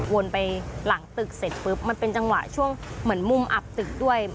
ไปหลังตึกเสร็จปุ๊บมันเป็นจังหวะช่วงเหมือนมุมอับตึกด้วย